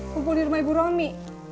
kumpul di rumah ibu romi